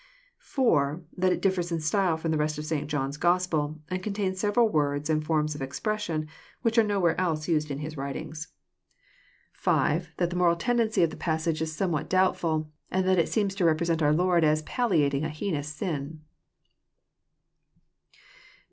(4) That it differs in style f^om the rest of St. John's Gospel, and contains several words and forms of expression which are nowhere else used in his writings. 66 EXPcenx)RY thoughts. C5) That the moral tendency of the passage ts somewhat doabtfVil, and that it seems to represent oar Lord as palliating a heinous sin.